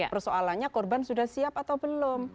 persoalannya korban sudah siap atau belum